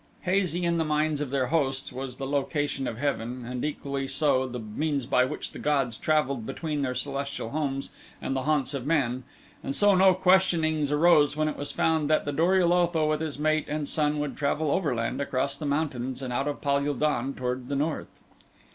Hazy in the minds of their hosts was the location of heaven and equally so the means by which the gods traveled between their celestial homes and the haunts of men and so no questionings arose when it was found that the Dor ul Otho with his mate and son would travel overland across the mountains and out of Pal ul don toward the north.